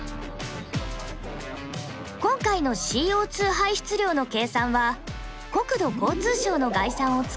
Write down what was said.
今回のＣＯ排出量の計算は国土交通省の概算を使います。